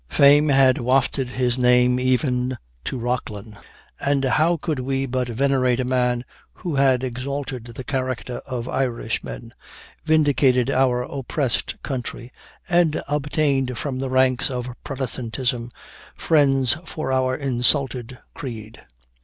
Fame had wafted his name even to Rockglen; and how could we but venerate a man who had exalted the character of Irishmen, vindicated our oppressed country, and obtained from the ranks of Protestantism, friends for our insulted creed.